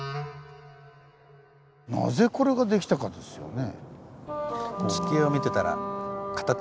なぜこれが出来たかですよね。